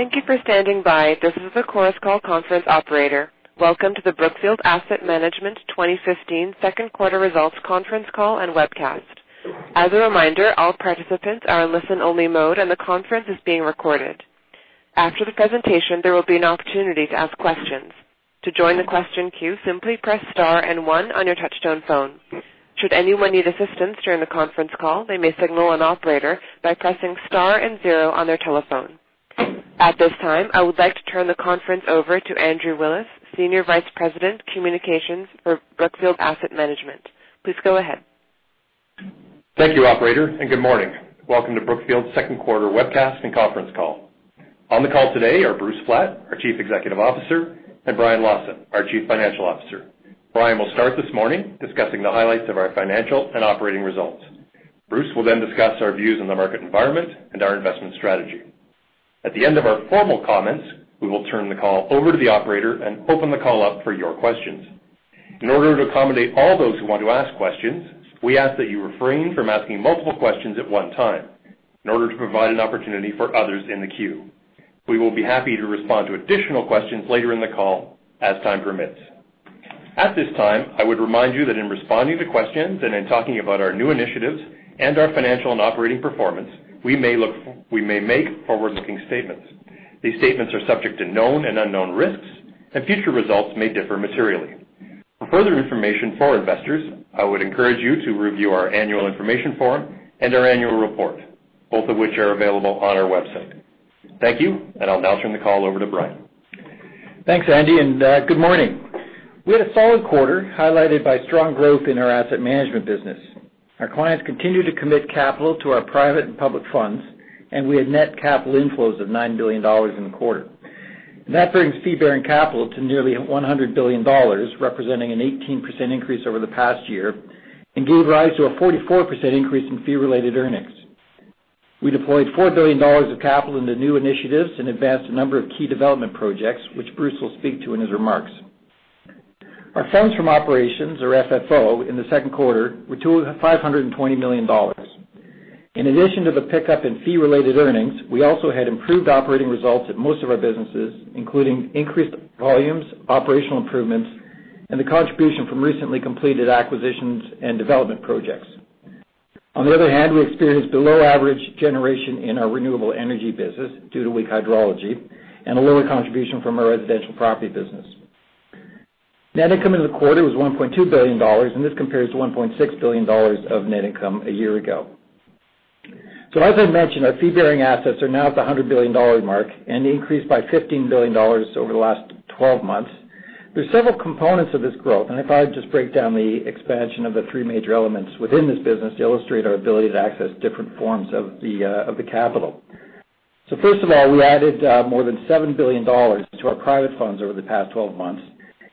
Thank you for standing by. This is the Chorus Call conference operator. Welcome to the Brookfield Asset Management 2015 second quarter results conference call and webcast. As a reminder, all participants are in listen only mode, and the conference is being recorded. After the presentation, there will be an opportunity to ask questions. To join the question queue, simply press star and one on your touch-tone phone. Should anyone need assistance during the conference call, they may signal an operator by pressing star and zero on their telephone. At this time, I would like to turn the conference over to Andrew Willis, Senior Vice President, Communications for Brookfield Asset Management. Please go ahead. Thank you, operator. Good morning. Welcome to Brookfield's second quarter webcast and conference call. On the call today are Bruce Flatt, our Chief Executive Officer, and Brian Lawson, our Chief Financial Officer. Brian will start this morning discussing the highlights of our financial and operating results. Bruce will discuss our views on the market environment and our investment strategy. At the end of our formal comments, we will turn the call over to the operator and open the call up for your questions. In order to accommodate all those who want to ask questions, we ask that you refrain from asking multiple questions at one time in order to provide an opportunity for others in the queue. We will be happy to respond to additional questions later in the call as time permits. At this time, I would remind you that in responding to questions and in talking about our new initiatives and our financial and operating performance, we may make forward-looking statements. These statements are subject to known and unknown risks, and future results may differ materially. For further information for investors, I would encourage you to review our annual information form and our annual report, both of which are available on our website. Thank you. I'll now turn the call over to Brian. Thanks, Andy. Good morning. We had a solid quarter highlighted by strong growth in our asset management business. Our clients continued to commit capital to our private and public funds. We had net capital inflows of $9 billion in the quarter. That brings fee-bearing capital to nearly $100 billion, representing an 18% increase over the past year, and gave rise to a 44% increase in fee-related earnings. We deployed $4 billion of capital into new initiatives and advanced a number of key development projects, which Bruce will speak to in his remarks. Our funds from operations, or FFO, in the second quarter were $520 million. In addition to the pickup in fee-related earnings, we also had improved operating results at most of our businesses, including increased volumes, operational improvements, and the contribution from recently completed acquisitions and development projects. On the other hand, we experienced below-average generation in our renewable energy business due to weak hydrology and a lower contribution from our residential property business. Net income in the quarter was $1.2 billion, and this compares to $1.6 billion of net income a year ago. As I mentioned, our fee-bearing assets are now at the $100 billion mark and increased by $15 billion over the last 12 months. There's several components of this growth, and if I just break down the expansion of the three major elements within this business to illustrate our ability to access different forms of the capital. First of all, we added more than $7 billion to our private funds over the past 12 months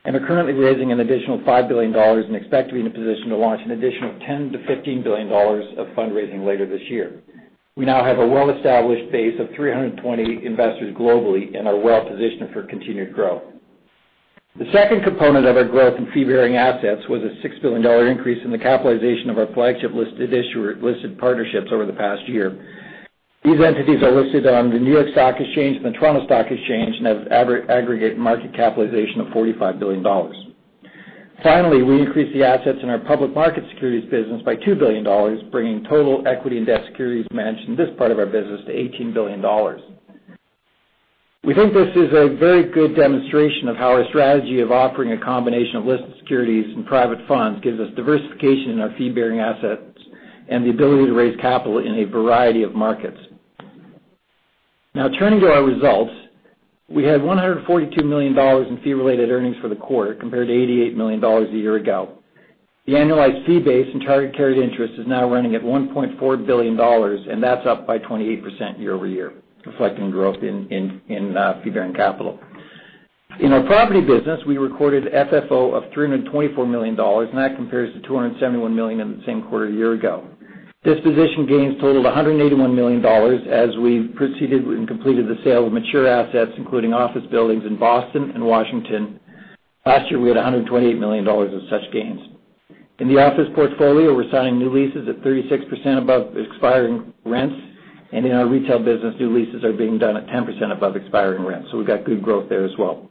and are currently raising an additional $5 billion and expect to be in a position to launch an additional $10 billion-$15 billion of fundraising later this year. We now have a well-established base of 320 investors globally and are well-positioned for continued growth. The second component of our growth in fee-bearing assets was a $6 billion increase in the capitalization of our flagship listed partnerships over the past year. These entities are listed on the New York Stock Exchange and the Toronto Stock Exchange and have aggregate market capitalization of $45 billion. Finally, we increased the assets in our public market securities business by $2 billion, bringing total equity and debt securities managed in this part of our business to $18 billion. We think this is a very good demonstration of how our strategy of offering a combination of listed securities and private funds gives us diversification in our fee-bearing assets and the ability to raise capital in a variety of markets. Now turning to our results. We had $142 million in fee-related earnings for the quarter, compared to $88 million a year ago. The annualized fee base and target carried interest is now running at $1.4 billion, and that's up by 28% year-over-year, reflecting growth in fee-bearing capital. In our property business, we recorded FFO of $324 million, and that compares to $271 million in the same quarter a year ago. Disposition gains totaled $181 million as we proceeded and completed the sale of mature assets, including office buildings in Boston and Washington. Last year, we had $128 million of such gains. In the office portfolio, we're signing new leases at 36% above expiring rents, and in our retail business, new leases are being done at 10% above expiring rents. We've got good growth there as well.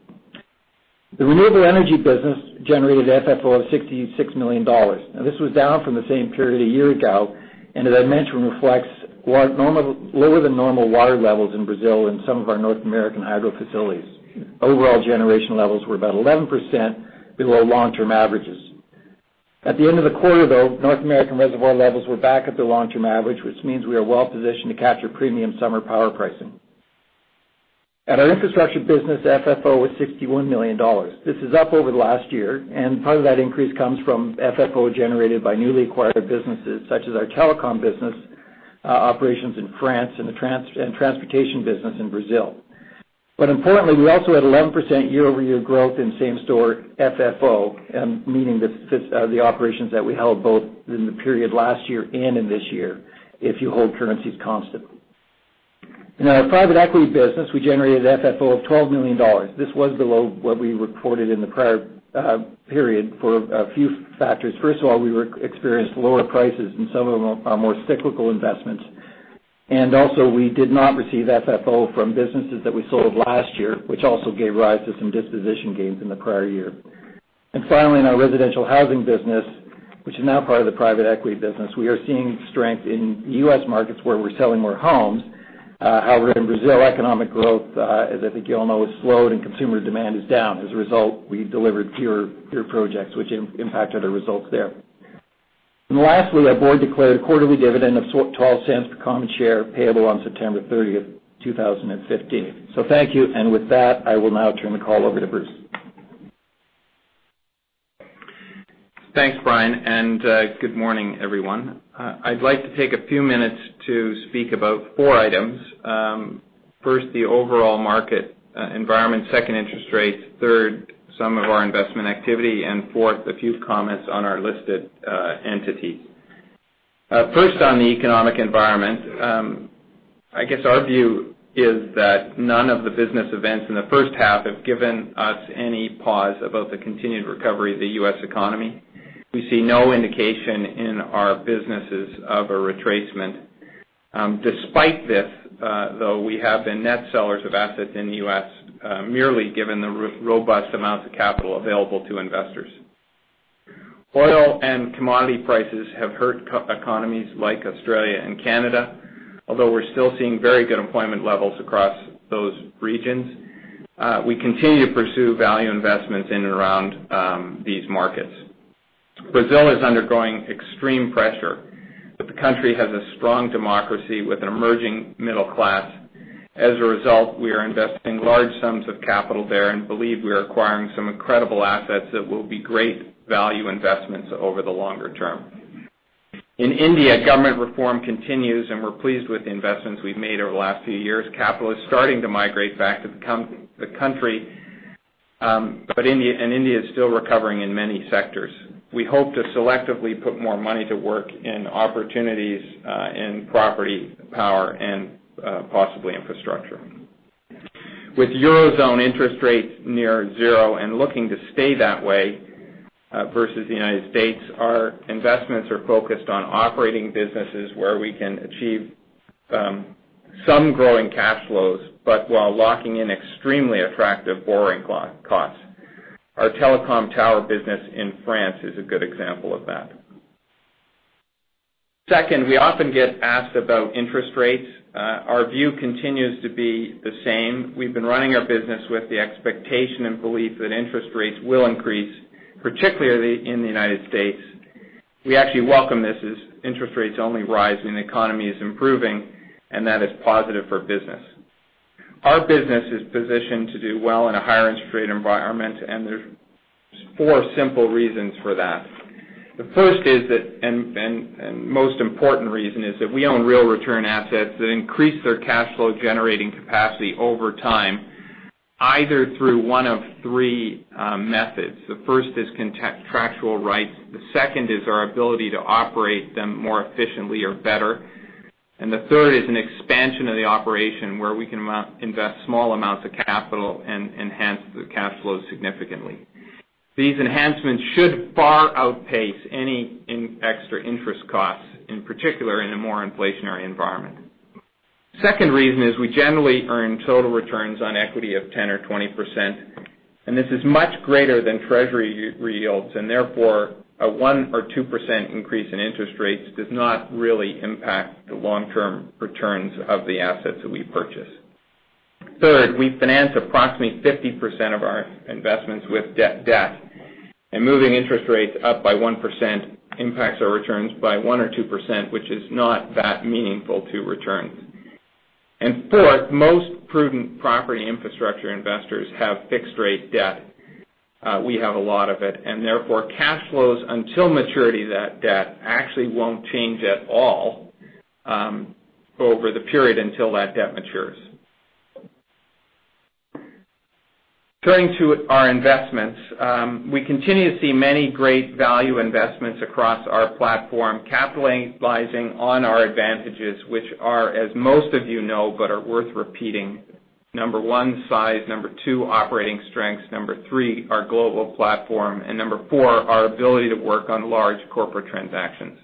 The renewable energy business generated FFO of $66 million. This was down from the same period a year ago, and as I mentioned, reflects lower than normal water levels in Brazil and some of our North American hydro facilities. Overall generation levels were about 11% below long-term averages. At the end of the quarter, though, North American reservoir levels were back at their long-term average, which means we are well positioned to capture premium summer power pricing. At our infrastructure business, FFO was $61 million. This is up over the last year, and part of that increase comes from FFO generated by newly acquired businesses such as our telecom business operations in France and transportation business in Brazil. Importantly, we also had 11% year-over-year growth in same-store FFO, meaning the operations that we held both in the period last year and in this year if you hold currencies constant. In our private equity business, we generated FFO of $12 million. This was below what we reported in the prior period for a few factors. First of all, we experienced lower prices in some of our more cyclical investments. We did not receive FFO from businesses that we sold last year, which also gave rise to some disposition gains in the prior year. Finally, in our residential housing business, which is now part of the private equity business, we are seeing strength in U.S. markets where we're selling more homes. However, in Brazil, economic growth, as I think you all know, has slowed, and consumer demand is down. As a result, we've delivered fewer projects, which impacted our results there. Lastly, our board declared a quarterly dividend of $0.12 per common share, payable on September 30th, 2015. Thank you. With that, I will now turn the call over to Bruce. Thanks, Brian, and good morning, everyone. I'd like to take a few minutes to speak about four items. First, the overall market environment. Second, interest rates. Third, some of our investment activity. Fourth, a few comments on our listed entities. First, on the economic environment. I guess our view is that none of the business events in the first half have given us any pause about the continued recovery of the U.S. economy. We see no indication in our businesses of a retracement. Despite this, though, we have been net sellers of assets in the U.S., merely given the robust amounts of capital available to investors. Oil and commodity prices have hurt economies like Australia and Canada. We're still seeing very good employment levels across those regions. We continue to pursue value investments in and around these markets. Brazil is undergoing extreme pressure, but the country has a strong democracy with an emerging middle class. As a result, we are investing large sums of capital there and believe we are acquiring some incredible assets that will be great value investments over the longer term. In India, government reform continues, and we're pleased with the investments we've made over the last few years. Capital is starting to migrate back to the country. India is still recovering in many sectors. We hope to selectively put more money to work in opportunities in property, power, and possibly infrastructure. With Eurozone interest rates near zero and looking to stay that way versus the United States, our investments are focused on operating businesses where we can achieve some growing cash flows, but while locking in extremely attractive borrowing costs. Our telecom tower business in France is a good example of that. Second, we often get asked about interest rates. Our view continues to be the same. We've been running our business with the expectation and belief that interest rates will increase, particularly in the U.S. We actually welcome this as interest rates only rise when the economy is improving, and that is positive for business. Our business is positioned to do well in a higher interest rate environment, and there's four simple reasons for that. The first is that, and most important reason is that we own real return assets that increase their cash flow generating capacity over time, either through one of three methods. The first is contractual rights. The second is our ability to operate them more efficiently or better. The third is an expansion of the operation where we can invest small amounts of capital and enhance the cash flow significantly. These enhancements should far outpace any extra interest costs, in particular in a more inflationary environment. Second reason is we generally earn total returns on equity of 10% or 20%, and this is much greater than treasury yields. Therefore, a 1% or 2% increase in interest rates does not really impact the long-term returns of the assets that we purchase. Third, we finance approximately 50% of our investments with debt, and moving interest rates up by 1% impacts our returns by 1% or 2%, which is not that meaningful to returns. Fourth, most prudent property infrastructure investors have fixed rate debt. We have a lot of it, and therefore cash flows until maturity of that debt actually won't change at all over the period until that debt matures. Turning to our investments. We continue to see many great value investments across our platform, capitalizing on our advantages, which are, as most of you know, but are worth repeating. Number 1, size. Number 2, operating strengths. Number 3, our global platform. Number 4, our ability to work on large corporate transactions.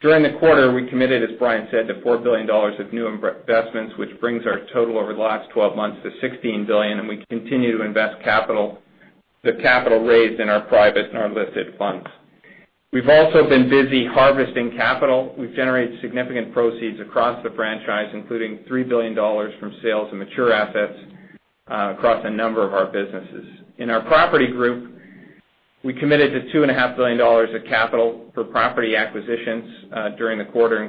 During the quarter, we committed, as Brian said, to $4 billion of new investments, which brings our total over the last 12 months to $16 billion, and we continue to invest the capital raised in our private and our listed funds. We've also been busy harvesting capital. We've generated significant proceeds across the franchise, including $3 billion from sales of mature assets across a number of our businesses. In our property group, we committed to $2.5 billion of capital for property acquisitions during the quarter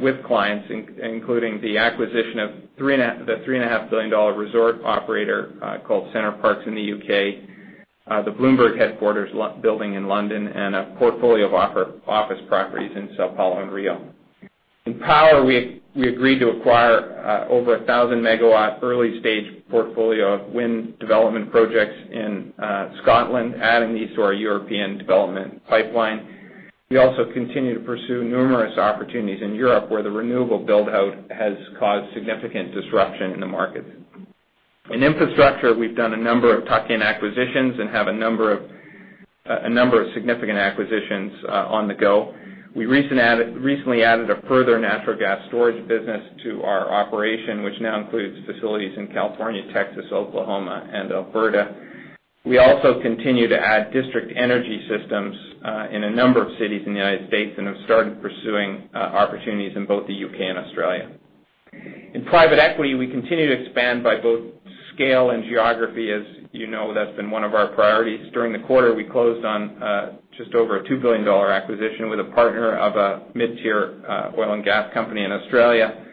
with clients, including the acquisition of the $3.5 billion resort operator called Center Parcs in the U.K., the Bloomberg headquarters building in London, and a portfolio of office properties in São Paulo and Rio. In power, we agreed to acquire over 1,000 MW early-stage portfolio of wind development projects in Scotland, adding these to our European development pipeline. We also continue to pursue numerous opportunities in Europe where the renewable build-out has caused significant disruption in the markets. In infrastructure, we've done a number of tuck-in acquisitions and have a number of significant acquisitions on the go. We recently added a further natural gas storage business to our operation, which now includes facilities in California, Texas, Oklahoma, and Alberta. We also continue to add district energy systems in a number of cities in the U.S. and have started pursuing opportunities in both the U.K. and Australia. In private equity, we continue to expand by both scale and geography. As you know, that's been one of our priorities. During the quarter, we closed on just over a $2 billion acquisition with a partner of a mid-tier oil and gas company in Australia.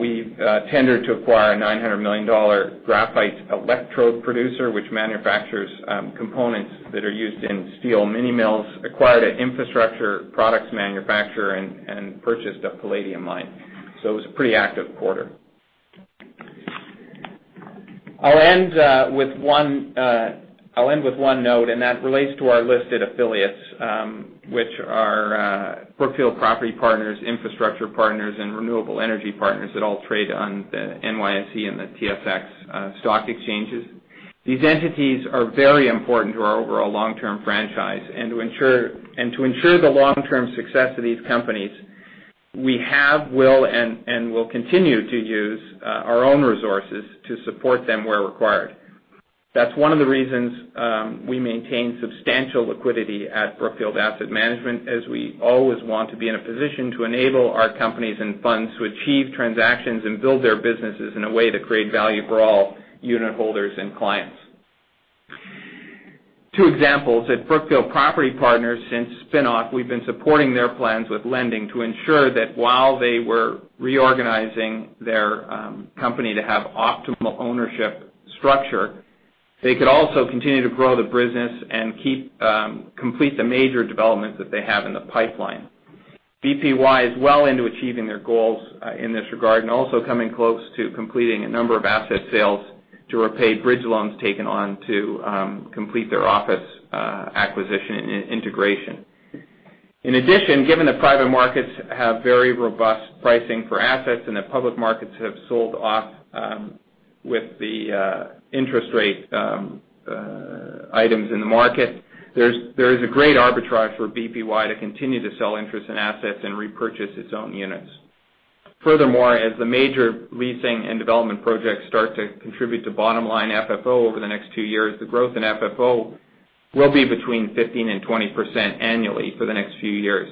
We tendered to acquire a $900 million graphite electrode producer, which manufactures components that are used in steel mini mills, acquired an infrastructure products manufacturer, and purchased a palladium mine. It was a pretty active quarter. I'll end with one note, and that relates to our listed affiliates, which are Brookfield Property Partners, Infrastructure Partners, and Renewable Energy Partners that all trade on the NYSE and the TSX stock exchanges. These entities are very important to our overall long-term franchise. To ensure the long-term success of these companies, we have, will, and will continue to use our own resources to support them where required. That's one of the reasons we maintain substantial liquidity at Brookfield Asset Management, as we always want to be in a position to enable our companies and funds to achieve transactions and build their businesses in a way that create value for all unit holders and clients. Two examples. At Brookfield Property Partners, since spin-off, we've been supporting their plans with lending to ensure that while they were reorganizing their company to have optimal ownership structure, they could also continue to grow the business and complete the major developments that they have in the pipeline. BPY is well into achieving their goals in this regard, also coming close to completing a number of asset sales to repay bridge loans taken on to complete their office acquisition integration. In addition, given the private markets have very robust pricing for assets and the public markets have sold off with the interest rate items in the market, there is a great arbitrage for BPY to continue to sell interest in assets and repurchase its own units. Furthermore, as the major leasing and development projects start to contribute to bottom-line FFO over the next 2 years, the growth in FFO will be between 15%-20% annually for the next few years.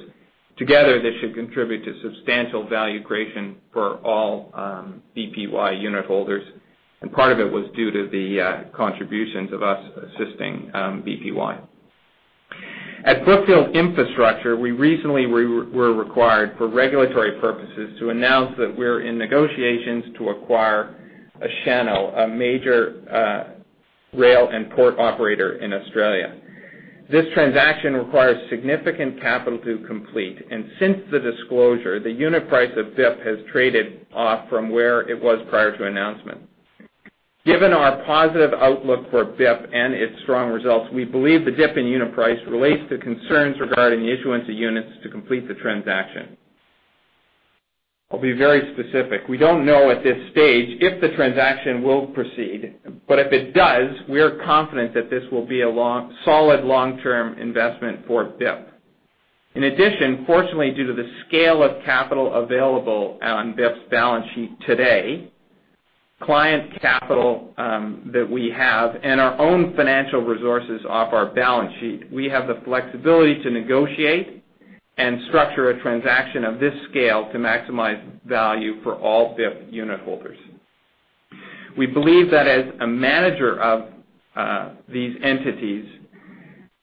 Together, this should contribute to substantial value creation for all BPY unit holders, part of it was due to the contributions of us assisting BPY. At Brookfield Infrastructure, we recently were required for regulatory purposes to announce that we're in negotiations to acquire Asciano, a major rail and port operator in Australia. This transaction requires significant capital to complete. Since the disclosure, the unit price of BIP has traded off from where it was prior to announcement. Given our positive outlook for BIP and its strong results, we believe the dip in unit price relates to concerns regarding the issuance of units to complete the transaction. I'll be very specific. We don't know at this stage if the transaction will proceed, but if it does, we are confident that this will be a solid long-term investment for BIP. In addition, fortunately, due to the scale of capital available on BIP's balance sheet today, client capital that we have and our own financial resources off our balance sheet. We have the flexibility to negotiate and structure a transaction of this scale to maximize value for all BIP unit holders. We believe that as a manager of these entities,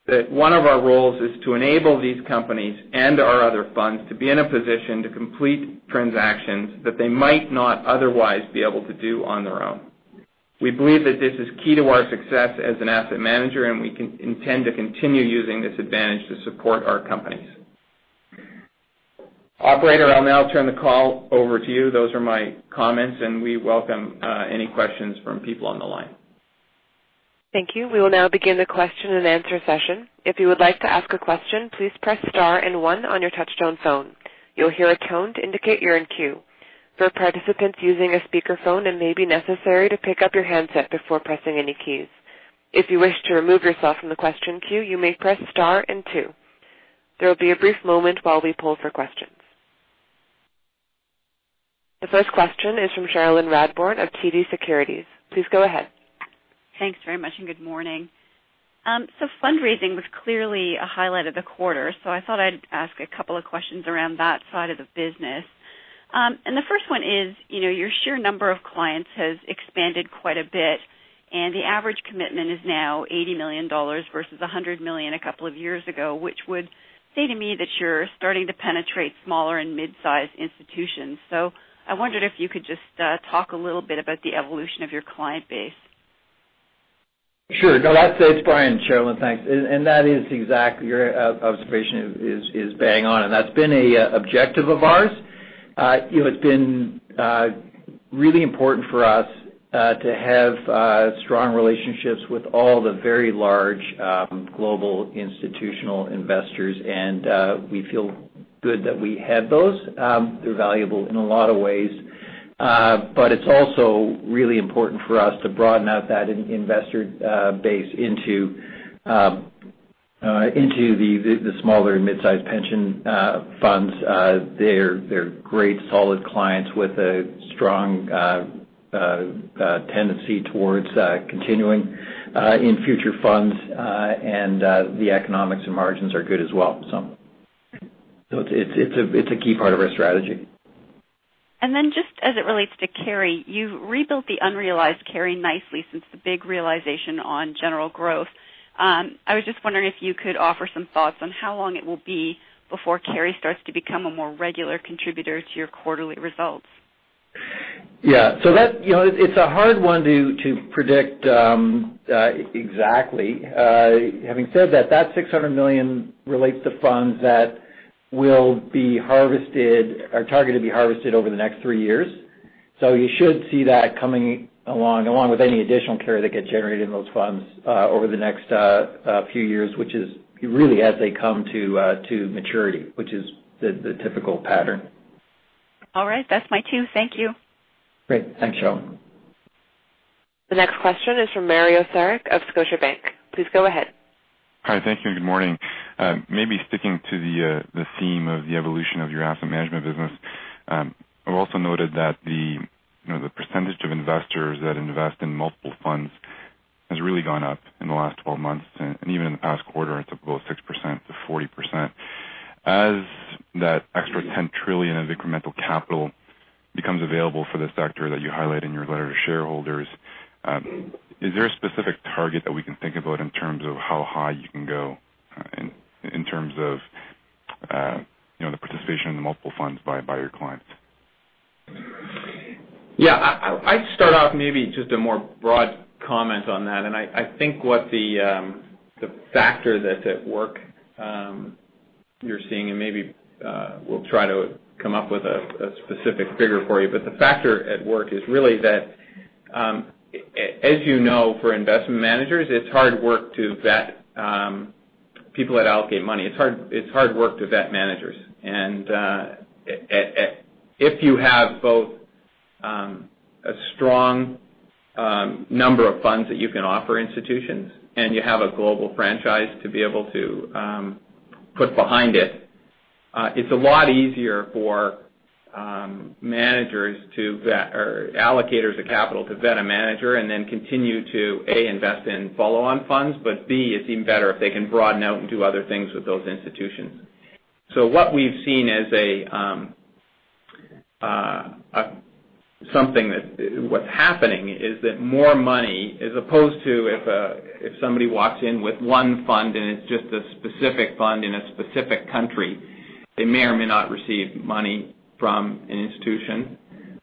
that one of our roles is to enable these companies and our other funds to be in a position to complete transactions that they might not otherwise be able to do on their own. We believe that this is key to our success as an asset manager, and we intend to continue using this advantage to support our companies. Operator, I'll now turn the call over to you. Those are my comments, and we welcome any questions from people on the line. Thank you. We will now begin the question and answer session. If you would like to ask a question, please press star and one on your touchtone phone. You'll hear a tone to indicate you're in queue. For participants using a speakerphone, it may be necessary to pick up your handset before pressing any keys. If you wish to remove yourself from the question queue, you may press star and two. There will be a brief moment while we pull for questions. The first question is from Cherilyn Radbourne of TD Securities. Please go ahead. Thanks very much, and good morning. Fundraising was clearly a highlight of the quarter. I thought I'd ask a couple of questions around that side of the business. The first one is, your sheer number of clients has expanded quite a bit, and the average commitment is now $80 million versus $100 million a couple of years ago, which would say to me that you're starting to penetrate smaller and mid-size institutions. I wondered if you could just talk a little bit about the evolution of your client base. Sure. No, it's Brian, Cherilyn, thanks. Your observation is bang on, and that's been an objective of ours. It's been really important for us to have strong relationships with all the very large global institutional investors, and we feel That we have those. They're valuable in a lot of ways. It's also really important for us to broaden out that investor base into the smaller and mid-size pension funds. They're great solid clients with a strong tendency towards continuing in future funds. The economics and margins are good as well. It's a key part of our strategy. Just as it relates to carry, you rebuilt the unrealized carry nicely since the big realization on General Growth. I was just wondering if you could offer some thoughts on how long it will be before carry starts to become a more regular contributor to your quarterly results. It's a hard one to predict exactly. Having said that $600 million relates to funds that will be harvested or targeted to be harvested over the next 3 years. You should see that coming along with any additional carry that gets generated in those funds, over the next few years, which is really as they come to maturity, which is the typical pattern. All right. That's my cue. Thank you. Great. Thanks, Cherilyn. The next question is from Mario Saric of Scotiabank. Please go ahead. Hi. Thank you and good morning. Maybe sticking to the theme of the evolution of your asset management business. I've also noted that the percentage of investors that invest in multiple funds has really gone up in the last 12 months. Even in the past quarter, it's up about 6% to 40%. As that extra $10 trillion of incremental capital becomes available for the sector that you highlight in your letter to shareholders, is there a specific target that we can think about in terms of how high you can go in terms of the participation in the multiple funds by your clients? Yeah. I'd start off maybe just a more broad comment on that. I think what the factor that's at work you're seeing, and maybe we'll try to come up with a specific figure for you, but the factor at work is really that, as you know, for investment managers, it's hard work to vet people that allocate money. It's hard work to vet managers. If you have both a strong number of funds that you can offer institutions and you have a global franchise to be able to put behind it's a lot easier for allocators of capital to vet a manager and then continue to, A, invest in follow-on funds, but B, it's even better if they can broaden out and do other things with those institutions. What we've seen as something that what's happening is that more money, as opposed to if somebody walks in with one fund and it's just a specific fund in a specific country, they may or may not receive money from an institution,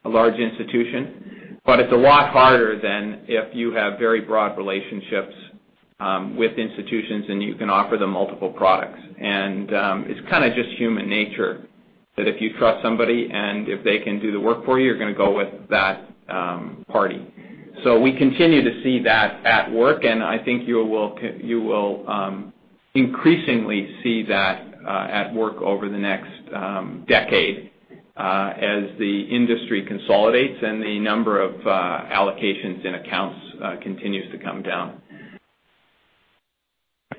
a large institution. It's a lot harder than if you have very broad relationships with institutions, and you can offer them multiple products. It's kind of just human nature that if you trust somebody and if they can do the work for you're going to go with that party. We continue to see that at work, and I think you will increasingly see that at work over the next decade as the industry consolidates and the number of allocations and accounts continues to come down.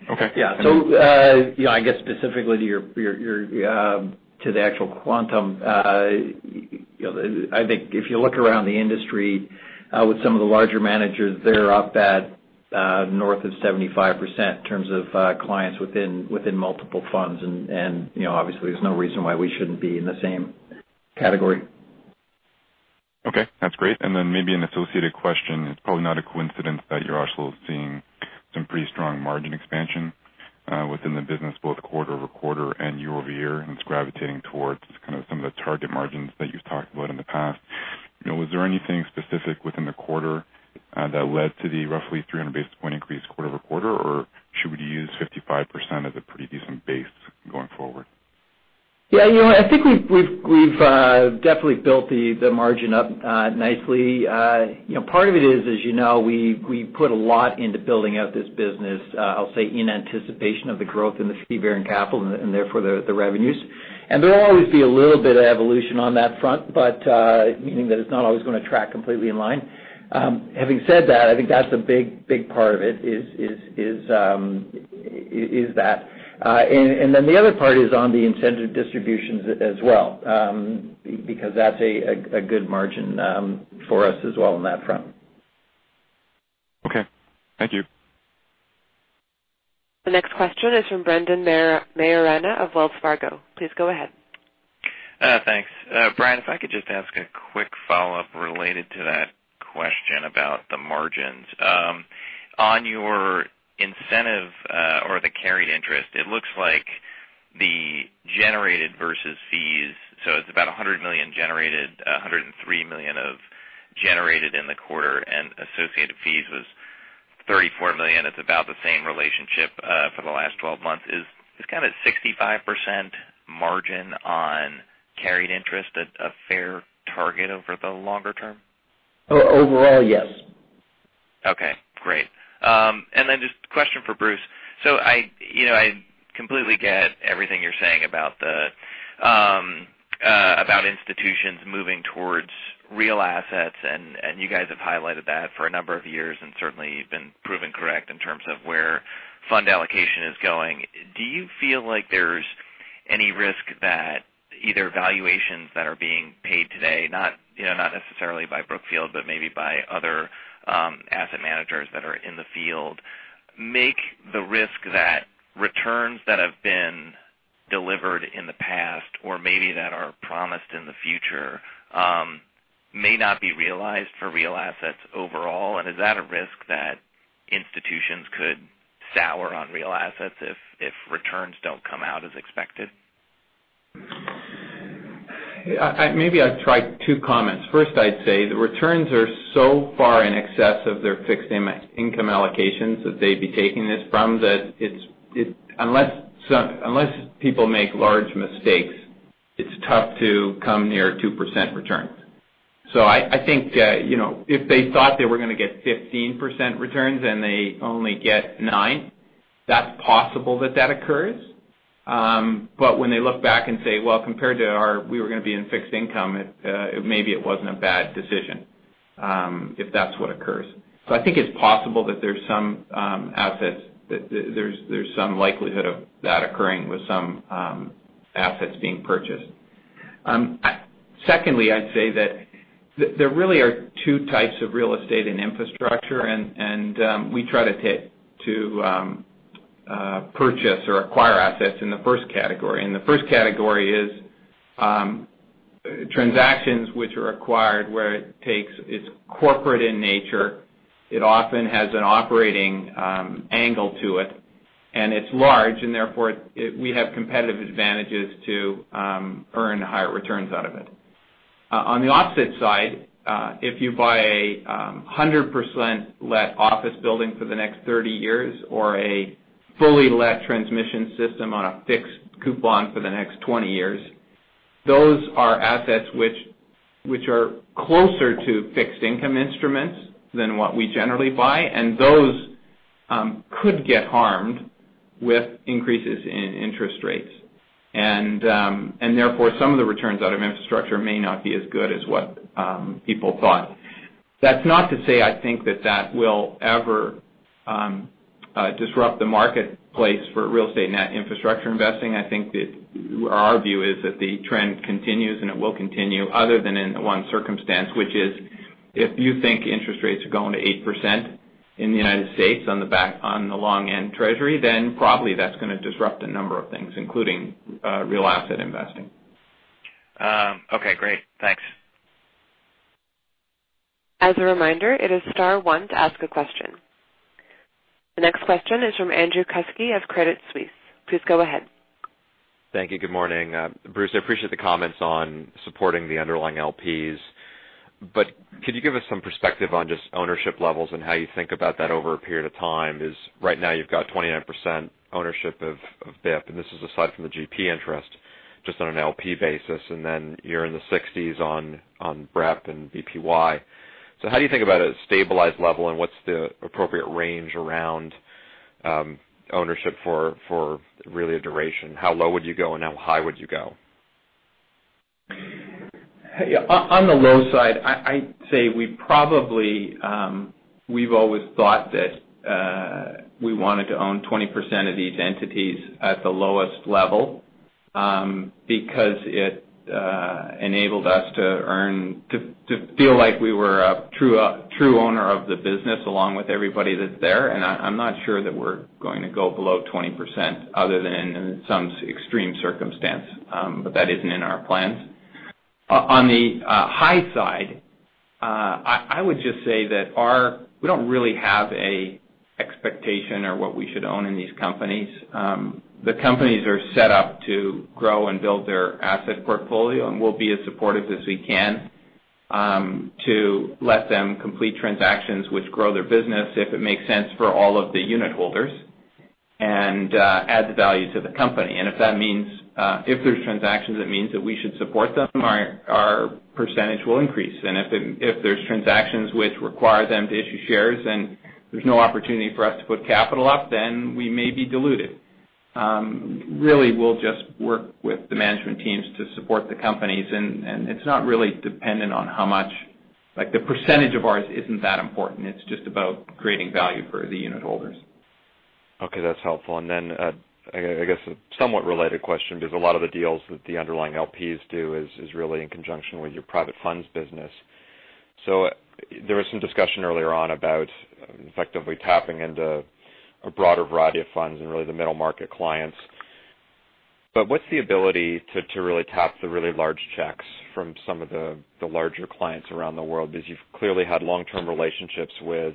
Okay. I guess specifically to the actual quantum, I think if you look around the industry with some of the larger managers, they're up at north of 75% in terms of clients within multiple funds. Obviously, there's no reason why we shouldn't be in the same category. That's great. Maybe an associated question. It's probably not a coincidence that you're also seeing some pretty strong margin expansion within the business, both quarter-over-quarter and year-over-year. It's gravitating towards kind of some of the target margins that you've talked about in the past. Was there anything specific within the quarter that led to the roughly 300 basis point increase quarter-over-quarter, or should we use 55% as a pretty decent base going forward? I think we've definitely built the margin up nicely. Part of it is, as you know, we put a lot into building out this business, I'll say, in anticipation of the growth in the fee-bearing capital and therefore the revenues. There will always be a little bit of evolution on that front, meaning that it's not always going to track completely in line. Having said that, I think that's a big part of it is that. The other part is on the incentive distributions as well because that's a good margin for us as well on that front. Okay. Thank you. The next question is from Brendan Maiorana of Wells Fargo. Please go ahead. Thanks. Brian, if I could just ask a quick follow-up related to that question about the margins. On your incentive or the carried interest, it looks like the generated versus fees. It's about $100 million generated, $103 million of generated in the quarter, and associated fees was $34 million. It's about the same relationship for the last 12 months. Is kind of 65% margin on carried interest a fair target over the longer term? Overall, yes. Okay. Just a question for Bruce. I completely get everything you're saying about institutions moving towards real assets, you guys have highlighted that for a number of years, and certainly you've been proven correct in terms of where fund allocation is going. Do you feel like there's any risk that either valuations that are being paid today, not necessarily by Brookfield, but maybe by other asset managers that are in the field, make the risk that returns that have been delivered in the past or maybe that are promised in the future may not be realized for real assets overall? Is that a risk that institutions could sour on real assets if returns don't come out as expected? Maybe I'll try two comments. First, I'd say the returns are so far in excess of their fixed income allocations that they'd be taking this from that unless people make large mistakes, it's tough to come near 2% returns. I think that if they thought they were going to get 15% returns and they only get nine, that's possible that that occurs. When they look back and say, "Well, compared to our we were going to be in fixed income," maybe it wasn't a bad decision, if that's what occurs. I think it's possible that there's some likelihood of that occurring with some assets being purchased. Secondly, I'd say that there really are two types of real estate and infrastructure, and we try to purchase or acquire assets in the first category. The first category is transactions which are acquired where it's corporate in nature. It often has an operating angle to it, and it's large, and therefore we have competitive advantages to earn higher returns out of it. On the opposite side, if you buy 100% let office building for the next 30 years or a fully let transmission system on a fixed coupon for the next 20 years, those are assets which are closer to fixed income instruments than what we generally buy, and those could get harmed with increases in interest rates. Therefore, some of the returns out of infrastructure may not be as good as what people thought. That's not to say I think that that will ever disrupt the marketplace for real estate net infrastructure investing. I think our view is that the trend continues, and it will continue other than in the one circumstance, which is if you think interest rates are going to 8% in the U.S. on the long-end treasury, then probably that's going to disrupt a number of things, including real asset investing. Okay, great. Thanks. As a reminder, it is star one to ask a question. The next question is from Andrew Kuske of Credit Suisse. Please go ahead. Thank you. Good morning. Bruce, I appreciate the comments on supporting the underlying LPs, could you give us some perspective on just ownership levels and how you think about that over a period of time? Right now you've got 29% ownership of BIP, and this is aside from the GP interest, just on an LP basis. Then you're in the sixties on BEP and BPY. How do you think about a stabilized level, and what's the appropriate range around ownership for really a duration? How low would you go, and how high would you go? On the low side, I'd say we've always thought that we wanted to own 20% of these entities at the lowest level because it enabled us to feel like we were a true owner of the business along with everybody that's there. I'm not sure that we're going to go below 20%, other than in some extreme circumstance. That isn't in our plans. On the high side, I would just say that we don't really have an expectation or what we should own in these companies. The companies are set up to grow and build their asset portfolio, and we'll be as supportive as we can to let them complete transactions which grow their business if it makes sense for all of the unit holders and adds value to the company. If there's transactions that means that we should support them, our percentage will increase. If there's transactions which require them to issue shares and there's no opportunity for us to put capital up, then we may be diluted. We'll just work with the management teams to support the companies, and it's not really dependent on how much. The percentage of ours isn't that important. It's just about creating value for the unit holders. Okay. That's helpful. I guess a somewhat related question, because a lot of the deals that the underlying LPs do is really in conjunction with your private funds business. There was some discussion earlier on about effectively tapping into a broader variety of funds and really the middle market clients. What's the ability to really tap the really large checks from some of the larger clients around the world? Because you've clearly had long-term relationships with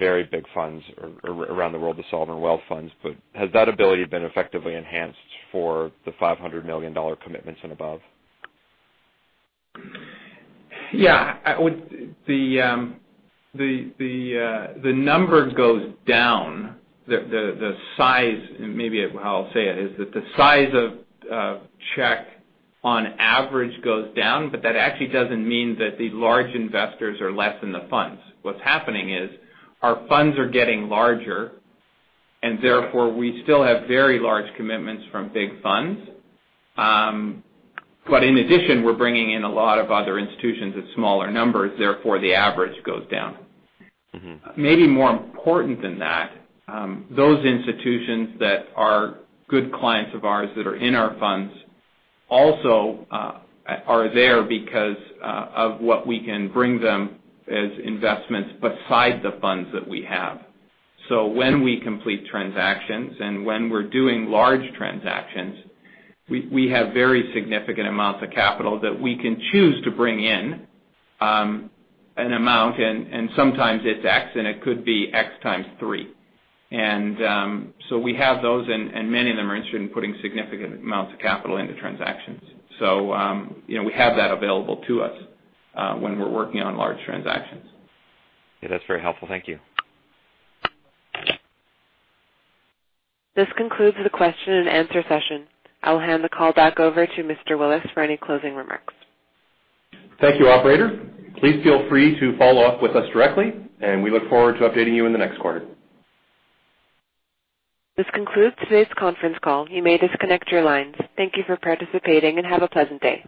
very big funds around the world, the sovereign wealth funds. Has that ability been effectively enhanced for the $500 million commitments and above? Yeah. The number goes down. Maybe I'll say it, is that the size of check on average goes down. That actually doesn't mean that the large investors are less in the funds. What's happening is our funds are getting larger, and therefore we still have very large commitments from big funds. In addition, we're bringing in a lot of other institutions of smaller numbers, therefore the average goes down. Maybe more important than that, those institutions that are good clients of ours that are in our funds also are there because of what we can bring them as investments besides the funds that we have. When we complete transactions and when we're doing large transactions, we have very significant amounts of capital that we can choose to bring in an amount, and sometimes it's X, and it could be X times three. We have those, and many of them are interested in putting significant amounts of capital into transactions. We have that available to us when we're working on large transactions. Yeah, that's very helpful. Thank you. This concludes the question and answer session. I'll hand the call back over to Mr. Willis for any closing remarks. Thank you, operator. Please feel free to follow up with us directly, and we look forward to updating you in the next quarter. This concludes today's conference call. You may disconnect your lines. Thank you for participating, and have a pleasant day.